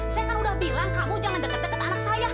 saya kan udah bilang kamu jangan dekat dekat anak saya